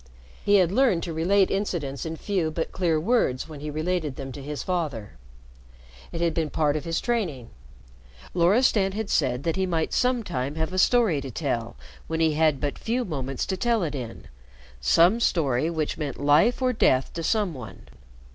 He had learned to relate incidents in few but clear words when he related them to his father. It had been part of his training. Loristan had said that he might sometime have a story to tell when he had but few moments to tell it in some story which meant life or death to some one.